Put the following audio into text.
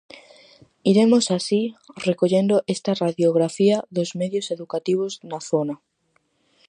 Iremos así recollendo esta radiografía dos medios educativos na zona.